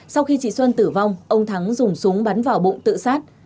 sau khi chị xuân tử vong ông thắng dùng súng bắn vào bụng tự sát